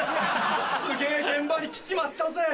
すげぇ現場に来ちまったぜ。